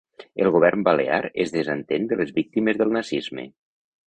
El govern balear es desentén de les víctimes del nazisme